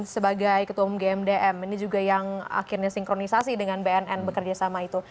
sebagai ketua umg mdm ini juga yang akhirnya sinkronisasi dengan bnn bekerja sama itu